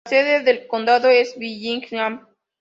La sede del condado es Bellingham.